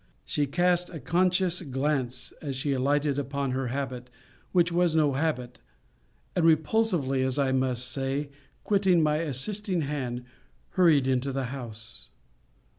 She cast a conscious glance, as she alighted, upon her habit, which was no habit; and repulsively, as I may say, quitting my assisting hand, hurried into the house.